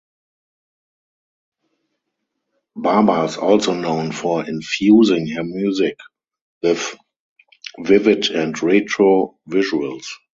Baba is also known for infusing her music with vivid and retro visuals.